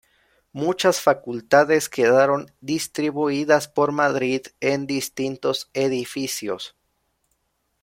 Muchas facultades quedaron distribuidas por Madrid en distintos edificios.